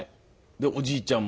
おじいちゃんも。